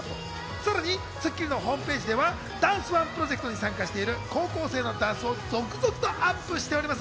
さらに『スッキリ』のホームページではダンスＯＮＥプロジェクトに参加している高校生のダンスを続々とアップしています。